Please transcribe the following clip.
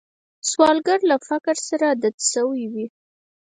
سوالګر له فقر سره عادت شوی وي